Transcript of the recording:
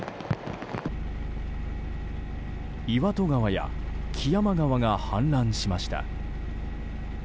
岩戸川や木山川が氾濫しました。